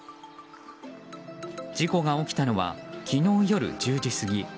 事故が起きたのは昨日夜１０時過ぎ。